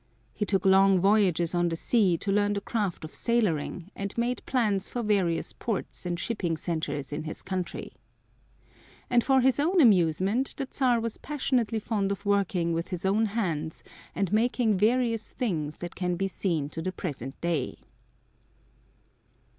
He took long voyages on the sea to learn the craft of sailoring, and made plans for various ports and shipping centers in his country. And for his own amusement the Czar was passionately fond of working with his own hands and making various things that can be seen to the present day.